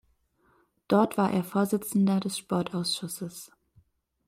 Dort war er Vorsitzender des Sportausschusses.